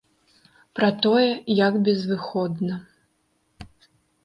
Пра тое, як безвыходна.